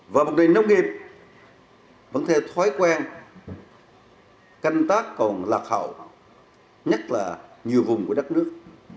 và một nền nông nghiệp vẫn theo thói quen canh tác còn lạc hậu nhất là nhiều vùng của đất nước